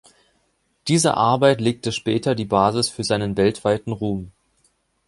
Diese Arbeit legte später die Basis für seinen weltweiten Ruhm.